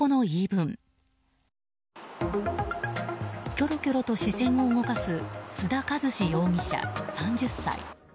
きょろきょろと視線を動かす須田一士容疑者、３０歳。